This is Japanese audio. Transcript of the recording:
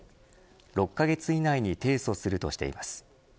６カ月以内に提訴するとしています。